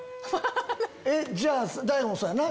えっじゃあ大悟もそうやな？